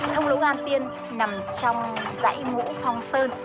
thông lũ am tiên nằm trong dãy ngũ phong sơn